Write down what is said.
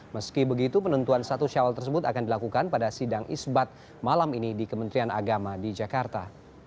meski begitu penentuan satu syawal tersebut akan dilakukan pada sidang isbat malam ini di kementerian agama di jakarta